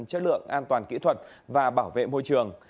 chất lượng an toàn kỹ thuật và bảo vệ môi trường